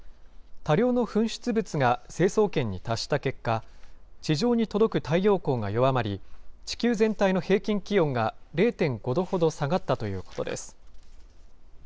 多量の噴出物が成層圏に達した結果、地上に届く太陽光が弱まり、地球全体の平均気温が０．５度ほど下がったということです。